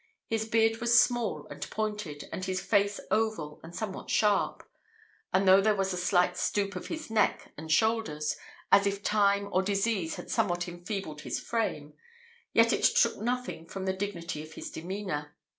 His beard was small and pointed, and his face oval, and somewhat sharp; and though there was a slight stoop of his neck and shoulders, as if time or disease had somewhat enfeebled his frame, yet it took nothing from the dignity of his demeanour.